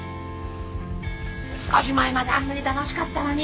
少し前まであんなに楽しかったのに！